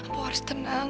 pak harus tenang berhenti